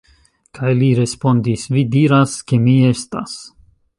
Kaj li respondis: Vi diras, ke mi estas.